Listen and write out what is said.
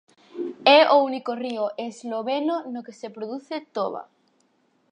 É o único río esloveno no que se produce toba.